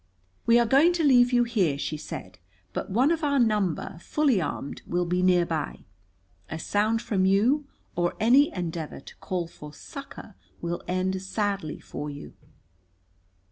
"We are going to leave you here," she said. "But one of our number, fully armed, will be near by. A sound from you, or any endeavor to call for succor, will end sadly for you.